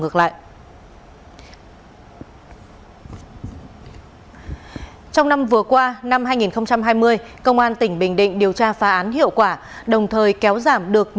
công an tỉnh bình định đã kéo giảm năm một